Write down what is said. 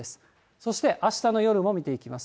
そしてあしたの夜も見ていきます。